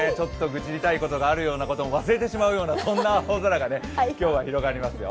愚痴りたいことがあるようなことも忘れてしまうような、そんな青空が広がりますよ。